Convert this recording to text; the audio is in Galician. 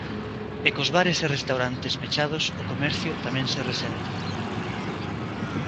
E cos bares e restaurantes pechados o comercio tamén se resente.